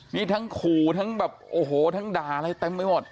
นี่ทั้งขู่ทั้งแบบโอ้โหทั้งด่าอะไรเต็มไปหมด